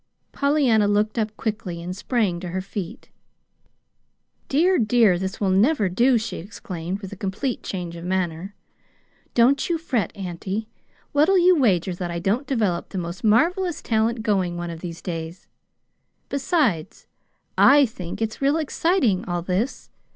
Pollyanna looked up quickly, and sprang to her feet. "Dear, dear, this will never do!" she exclaimed, with a complete change of manner. "Don't you fret, auntie. What'll you wager that I don't develop the most marvelous talent going, one of these days? Besides, I think it's real exciting all this.